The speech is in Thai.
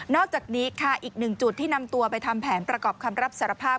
อกจากนี้ค่ะอีกหนึ่งจุดที่นำตัวไปทำแผนประกอบคำรับสารภาพ